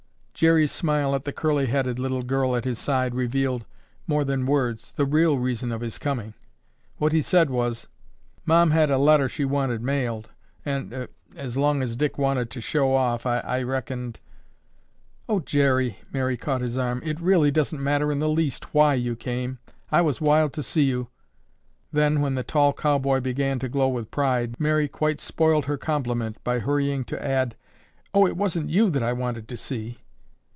Jerry's smile at the curly headed little girl at his side revealed, more than words, the real reason of his coming. What he said was, "Mom had a letter she wanted mailed and—er—as long as Dick wanted to show off, I reckoned—" "Oh, Jerry," Mary caught his arm, "it really doesn't matter in the least why you came. I was wild to see you—" then, when the tall cowboy began to glow with pride, Mary quite spoiled her compliment by hurrying to add, "Oh, it wasn't you that I wanted to see."